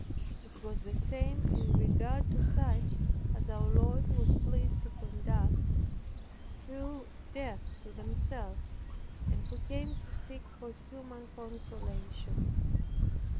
It was the same in regard to such as our Lord was pleased to conduct through death to themselves, and who came to seek for human consolation.